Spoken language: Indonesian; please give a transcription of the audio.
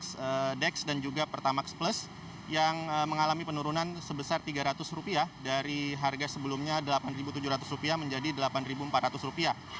ps dex dan juga pertamax plus yang mengalami penurunan sebesar rp tiga ratus dari harga sebelumnya rp delapan tujuh ratus menjadi rp delapan empat ratus